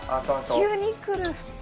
急に来る。